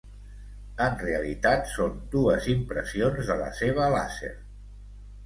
En realitat són dues impressions de la seva làser.